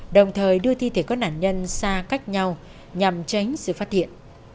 đồng thời đưa thi thể các nạn nhân xa cách nhau nhằm tránh sự phát hiện